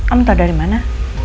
om tau dari mana